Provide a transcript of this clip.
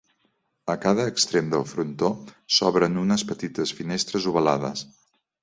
A cada extrem del frontó, s'obren unes petites finestres ovalades.